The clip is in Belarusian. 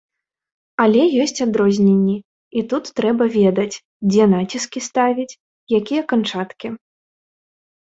Але ёсць адрозненні, і тут трэба ведаць, дзе націскі ставіць, якія канчаткі.